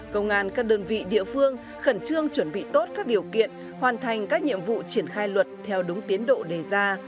công an các đơn vị địa phương khẩn trương chuẩn bị tốt các điều kiện hoàn thành các nhiệm vụ triển khai luật theo đúng tiến độ đề ra